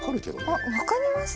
あっ分かりますね